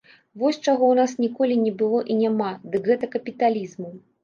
Вось чаго ў нас ніколі не было і няма, дык гэта капіталізму.